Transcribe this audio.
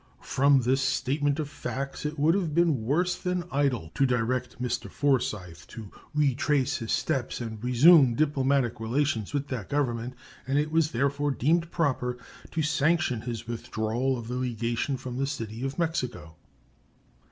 From this statement of facts it would have been worse than idle to direct Mr. Forsyth to retrace his steps and resume diplomatic relations with that Government, and it was therefore deemed proper to sanction his withdrawal of the legation from the City of Mexico.